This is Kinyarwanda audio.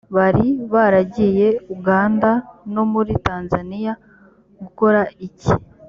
bari baragiye uganda no muri tanzaniya gukora iki